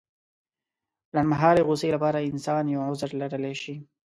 لنډمهالې غوسې لپاره انسان يو عذر لرلی شي.